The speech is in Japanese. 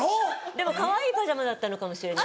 でもかわいいパジャマだったのかもしれない。